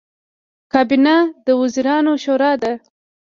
کابینه د وزیرانو شورا ده